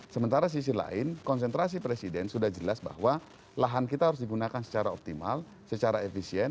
sementara sisi lain konsentrasi presiden sudah jelas bahwa lahan kita harus digunakan secara optimal secara efisien